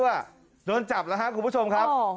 ถ่ายชิ้วโดนจับแล้วครับคุณผู้ชมครับ